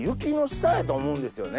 やと思うんですよね。